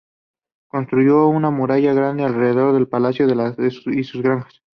Construyó una muralla grande alrededor del palacio y sus granjas.